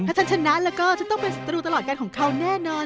ถ้าฉันชนะแล้วก็ฉันต้องเป็นศัตรูตลอดการของเขาแน่นอน